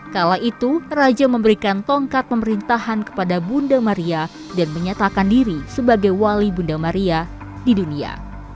kala itu raja memberikan tongkat pemerintahan kepada bunda maria dan menyatakan diri sebagai wali bunda maria di dunia